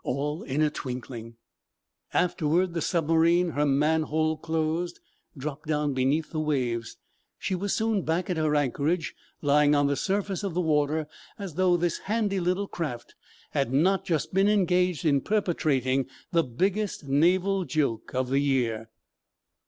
All in a twinkling, afterward, the submarine, her manhole closed, dropped down beneath the waves. She was soon back at her anchorage, lying on the surface of the water as though this handy little craft had not just been engaged in perpetrating the biggest naval joke of the year!